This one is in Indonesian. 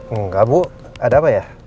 enggak bu ada apa ya